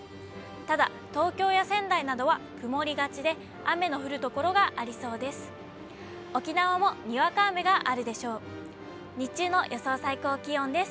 ただ、東京や仙台などは曇りがちで、雨の降る所がありそうです。